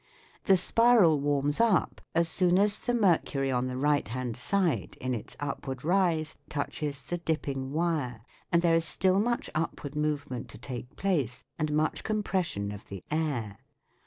The spiral warms up as soon as the mercury on the right hand side in its upward rise touches the dipping wire, and there is still much upward movement to take place and much compression of the air.